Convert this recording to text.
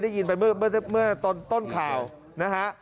ได้ยินไปเมื่อต้นข่าวนะฮะ